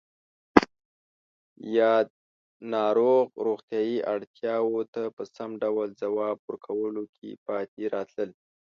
یاد ناروغ روغتیایی اړتیاوو ته په سم ډول ځواب ورکولو کې پاتې راتلل